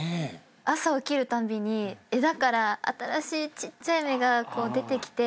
朝起きるたんびに枝から新しいちっちゃい芽が出てきて。